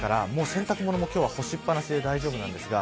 洗濯物も干しっぱなしで大丈夫です。